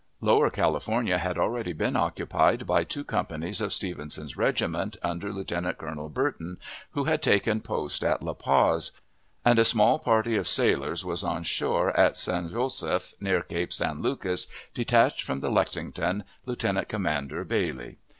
Lower California had already been occupied by two companies of Stevenson's regiment, under Lieutenant Colonel Burton, who had taken post at La Paz, and a small party of sailors was on shore at San Josef, near Cape San Lucas, detached from the Lexington, Lieutenant Commander Bailey.